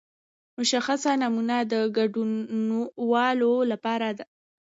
مشخصه نمونه د ټولو ګډونوالو لپاره.